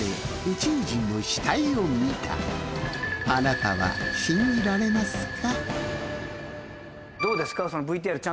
あなたは信じられますか？